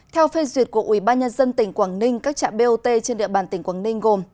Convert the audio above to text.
theo phê duyệt của ủy ban nhân dân tỉnh quảng ninh các trạm bot trên địa bàn tỉnh quảng ninh gồm